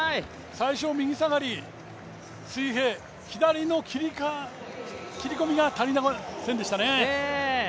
最初、右下がり、水平左の切り込みが足りませんでしたね。